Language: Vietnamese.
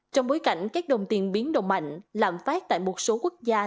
trong bối cảnh các đồng tiền biến động mạnh lạm phát tại một số quốc gia